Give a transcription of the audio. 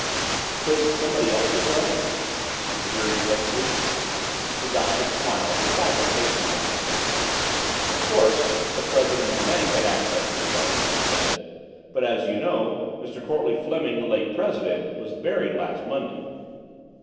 "Couldn't somebody else have done it?" she queried tensely. The Doctor smiled, a trifle patronizingly. "Of course the president of the bank had access to the vaults," he said. "But, as you know, Mr. Courtleigh Fleming, the late president, was buried last Monday."